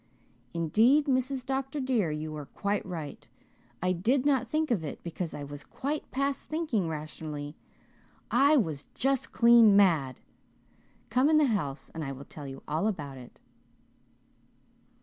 "Indeed, Mrs. Dr. dear, you are quite right. I did not think of it because I was quite past thinking rationally. I was just clean mad. Come in the house and I will tell you all about it."